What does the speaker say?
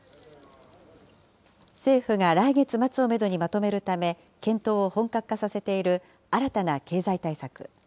政府が来月末をメドにまとめるため、検討を本格化させている新たな経済対策。